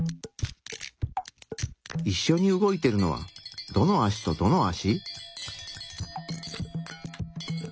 いっしょに動いてるのはどの足とどの足？